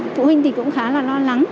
phụ huynh thì lo lắng